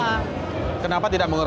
tetapi kenapa tidak mengerti